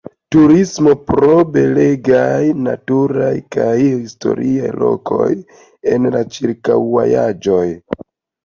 Turismo pro belegaj naturaj kaj historia lokoj en la ĉirkaŭaĵoj.